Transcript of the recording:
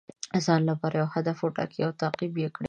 د ځان لپاره یو هدف وټاکئ او تعقیب یې کړئ.